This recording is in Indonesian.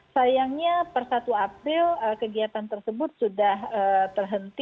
sayangnya per satu april kegiatan tersebut sudah terhenti